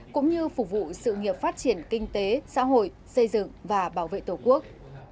cũng như phục vụ sự nghiệp phát triển kinh tế xã hội xây dựng và bảo vệ tổ quốc